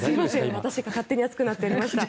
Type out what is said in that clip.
私が勝手に熱くなっていました。